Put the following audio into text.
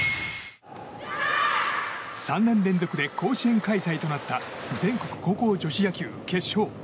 ３年連続で甲子園開催となった全国高校女子野球決勝。